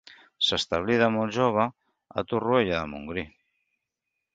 S'establí, de molt jove, a Torroella de Montgrí.